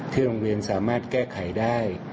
โรงเรียนสามารถแก้ไขได้